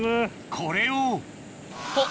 これをほっ！